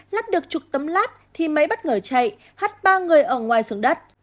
lắp được chục tấm lát thì máy bất ngờ chạy hắt ba người ở ngoài xuống đất